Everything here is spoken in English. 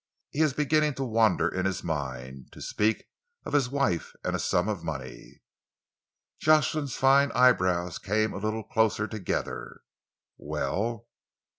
He is beginning to wander in his mind, to speak of his wife and a sum of money." Jocelyn's fine eyebrows came a little closer together. "Well?"